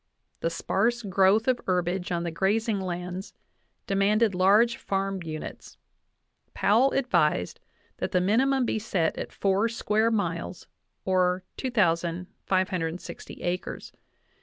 The sparse growth of herbage on the grazing lands demanded large farm units; Powell advised that the minimum be set at four square miles, or 2,560 acres.